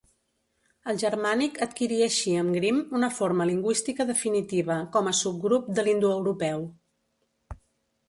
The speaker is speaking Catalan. El germànic adquirí així amb Grimm una forma lingüística definitiva, com a subgrup de l'indoeuropeu.